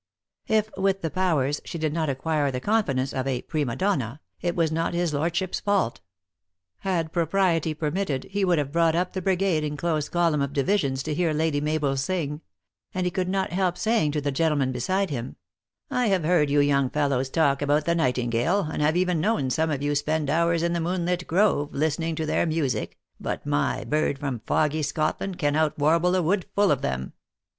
If, with the powers, she did not acquire the confidence of a prima donna, it was not his lord ship s fault. Had propriety permitted, he would have brought up the brigade in close column of divisions, to hear Lady Mabel sing ; and he could not help say ing to the gentlemen beside him: "I have heard you young fellows talk about the nightingale, and have even known some of you spend hours in the moon lit grove, listening to their music, but my bird from foggy Scotland can out warble a wood full of them."